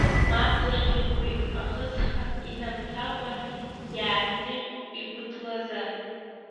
Мамзаргьы уи ахысха инамҭакәа иааҳәны игәыдлазар.